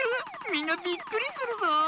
みんなびっくりするぞ。